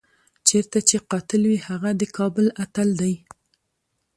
چېرته چې قاتل وي هغه د کابل اتل دی.